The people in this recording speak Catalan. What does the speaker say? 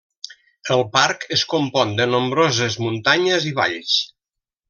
El parc es compon de nombroses muntanyes i valls.